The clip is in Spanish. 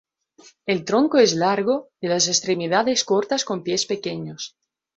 El tronco es largo y las extremidades cortas con pies pequeños.